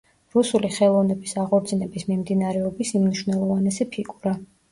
რუსული ხელოვნების აღორძინების მიმდინარეობის უმნიშვნელოვანესი ფიგურა.